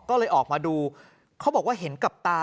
ก็เลยออกมาดูเขาบอกว่าเห็นกับตา